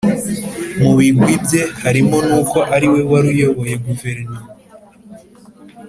Mu bigwi bye harimo n'uko ariwe wari uyoboye Guverinoma